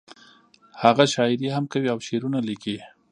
هغه شاعري هم کوي او شعرونه لیکي